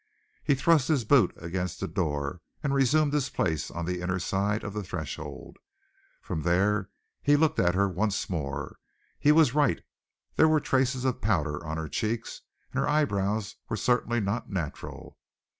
He thrust his boot against the door, and resumed his place on the inner side of the threshold. From there he looked at her once more. He was right. There were traces of powder on her cheeks, and her eyebrows were certainly not natural.